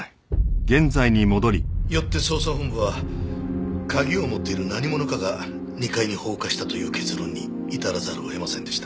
よって捜査本部は鍵を持っている何者かが２階に放火したという結論に至らざるを得ませんでした。